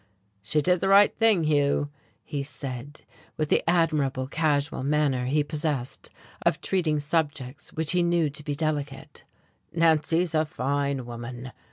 "She did the right thing, Hugh," he said, with the admirable casual manner he possessed of treating subjects which he knew to be delicate. "Nancy's a fine woman.